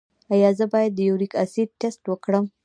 ایا زه باید د یوریک اسید ټسټ وکړم؟